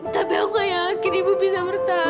tapi aku gak yakin ibu bisa bertahan